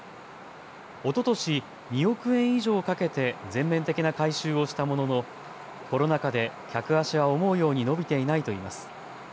おととし２億円以上かけて全面的な改修をしたもののコロナ禍で客足は思うように伸びていないといいます。